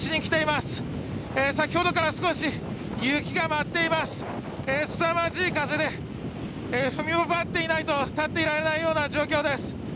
すさまじい風でふんばっていないと立っていられない状態です。